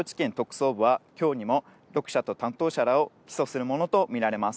東京地検特捜部は今日にも６社と担当者らを起訴するものとみられます。